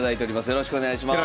よろしくお願いします。